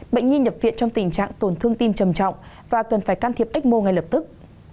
bệnh nhi nhập viện trong tình trạng tổn thương tim trầm trọng và cần phải can thiệp ecmo ngay lập tức